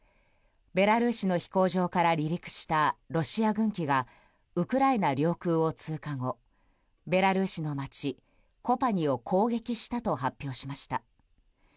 ベラルーシの飛行場から離陸したロシア軍機がウクライナ領空を通過後ベラルーシの街コパニを攻撃したと発表しました。